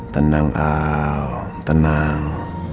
tenang al tenang